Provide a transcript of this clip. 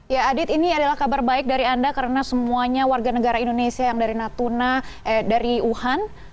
ya adit ini adalah kabar baik dari anda karena semuanya warga negara indonesia yang dari natuna dari wuhan